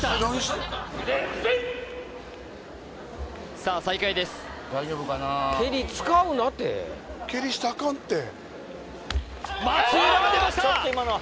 さあ再開です松浦が出ました